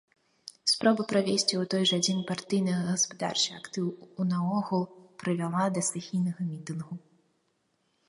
Спроба правесці ў той жа дзень партыйна-гаспадарчы актыў у наогул прывяла да стыхійнага мітынгу.